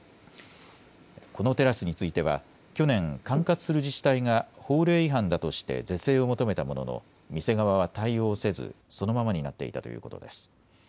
このテラスについては去年、管轄する自治体が法令違反だとして是正を求めたものの店側は対応せず、そのままになっていたということです。